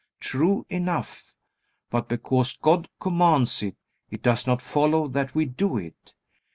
True enough. But because God commands it, it does not follow that we do it.